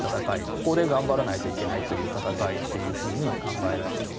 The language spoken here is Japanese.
ここで頑張らないといけないという戦いと考えられます。